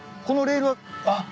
このレールは。